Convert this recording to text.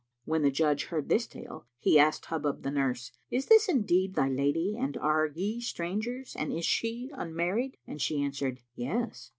When the judge heard this tale he asked Hubub the nurse, "Is this indeed thy lady and are ye strangers and is she unmarried?", and she answered, "Yes."